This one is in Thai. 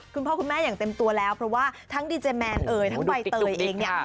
คุณพ่อคุณแม่อย่างเต็มตัวแล้วเพราะว่าทั้งดีเจแมนเอ่ยทั้งใบเตยเองเนี่ย